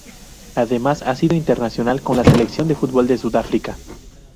Además, ha sido internacional con la selección de fútbol de Sudáfrica.